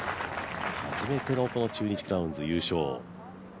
初めての中日クラウンズ、優勝。